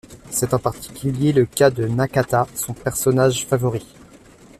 C'est en particulier le cas de Nakata, son personnage favori.